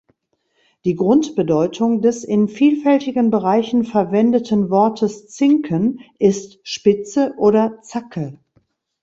Die Grundbedeutung des in vielfältigen Bereichen verwendeten Wortes Zinken ist Spitze oder Zacke.